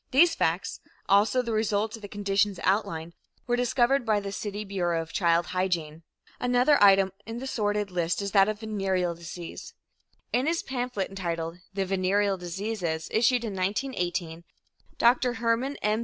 These facts, also the result of the conditions outlined, were discovered by the city Bureau of Child Hygiene. Another item in the sordid list is that of venereal disease. In his pamphlet entitled "The Venereal Diseases," issued in 1918, Dr. Hermann M.